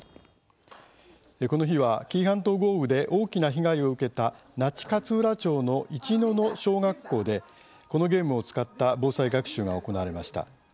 この日は、紀伊半島豪雨で大きな被害を受けた那智勝浦町の市野々小学校でこのゲームを使った防災学習が行われました。